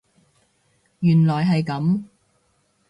原來係噉